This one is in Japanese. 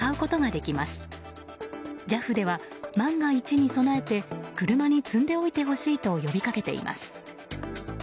ＪＡＦでは万が一に備えて車に積んでおいてほしいと呼びかけています。